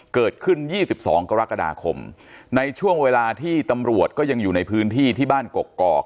เกิดขึ้น๒๒กรกฎาคมในช่วงเวลาที่ตำรวจก็ยังอยู่ในพื้นที่ที่บ้านกกอก